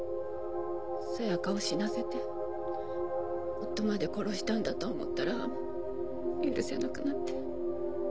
紗弥香を死なせて夫まで殺したんだと思ったら許せなくなって。